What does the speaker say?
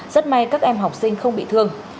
rất may các em học sinh không bị thương